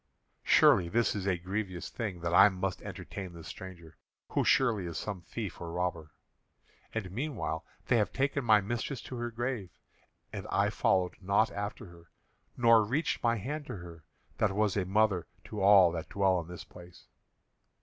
Surely this is a grievous thing that I must entertain this stranger, who surely is some thief or robber. And meanwhile they have taken my mistress to her grave, and I followed not after her, nor reached my hand to her, that was as a mother to all that dwell in this place."